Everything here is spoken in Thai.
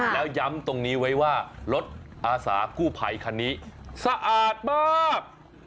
แล้วย้ำตรงนี้ไว้ว่ารถอาสากู้ภัยคันนี้สะอาดมาก